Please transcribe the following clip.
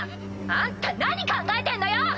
あんた何考えてんのよ！